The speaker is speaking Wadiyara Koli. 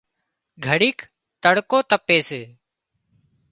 گھڙيڪ تڙڪو تپي سي